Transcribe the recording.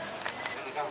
jujur sid direktrik